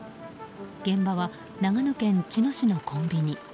現場は長野県茅野市のコンビニ。